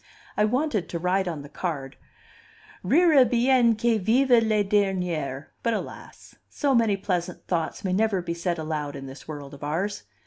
I wanted to write on the card, "Rira bien qui viva le dernier"; but alas! so many pleasant thoughts may never be said aloud in this world of ours.